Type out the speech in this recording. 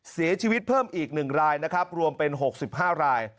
เสียชีวิตเพิ่มอีก๑รายนะครับรวมเป็น๖๕ราย